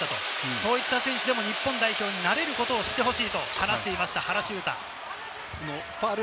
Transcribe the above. そういった選手でも日本代表になれることを知ってほしいと話していました、原修太。